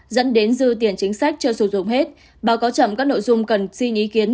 dẫn đến dư tiền chính sách chưa sử dụng hết báo cáo chậm các nội dung cần xin ý kiến